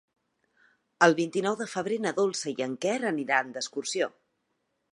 El vint-i-nou de febrer na Dolça i en Quer aniran d'excursió.